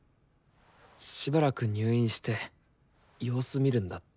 しばらく入院して様子見るんだって。